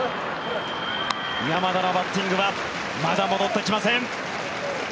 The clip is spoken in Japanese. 山田のバッティングはまだ戻ってきません。